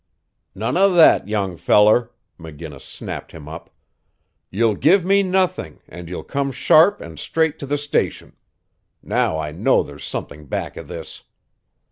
"None o' that, young feller," McGinnis snapped him up. "You'll give me nothing and you'll come sharp and straight to the station. Now I know there's something back o' this."